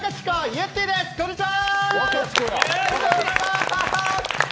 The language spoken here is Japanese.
ゆってぃです、こんにちわ。